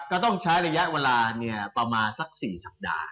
ก็ต้องใช้ระยะเวลาเนี่ยต่อมาสัก๔สัปดาห์